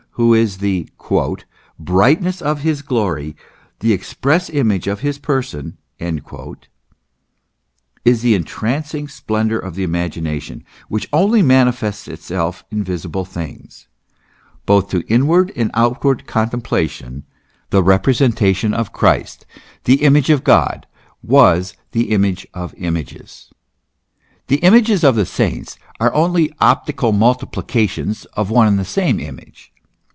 worship of the Image of God in God. The Son, who is the " brightness of His glory, the express image of His person," is the entrancing splendour of the imagination, which only manifests itself in visible images. Both to inward and out ward contemplation the representation of Christ, the Image of God, was the image of images. The images of the saints are only optical multiplications of one and the same image.